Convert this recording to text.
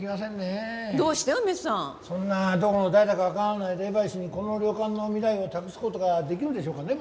そんなどこの誰だかわからない霊媒師にこの旅館の未来を託す事ができるでしょうかね？